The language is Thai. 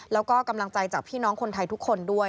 แล้วก็กำลังใจจากพี่น้องคนไทยทุกคนด้วย